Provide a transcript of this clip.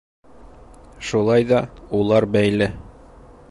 Шулай ҙа улар бәйле.